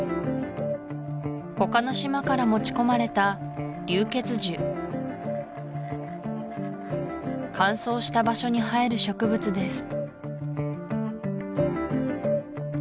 ほかの島から持ち込まれた竜血樹乾燥した場所に生える植物です